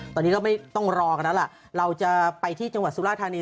ตอนนี้ก็ไม่ต้องรอกันแล้วล่ะเราจะไปที่จังหวัดสุราธานี